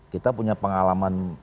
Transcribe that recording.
kita punya pengalaman